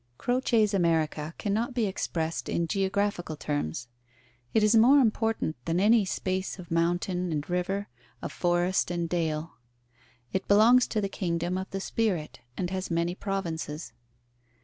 Croce's America cannot be expressed in geographical terms. It is more important than any space of mountain and river, of forest and dale. It belongs to the kingdom of the spirit, and has many provinces.